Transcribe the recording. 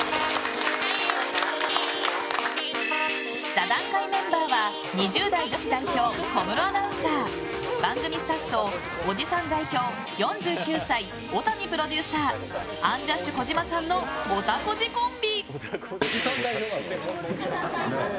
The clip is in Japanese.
座談会メンバーは２０代女子代表小室アナウンサー番組スタッフとおじさん代表４９歳、尾谷プロデューサーアンジャッシュ児嶋さんのおたこじコンビ！